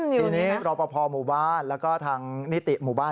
ทีนี้รอปภหมู่บ้านแล้วก็ทางนิติหมู่บ้าน